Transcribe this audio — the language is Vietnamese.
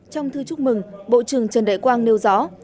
trong thư chúc mừng bộ trưởng trần đại quang nêu rõ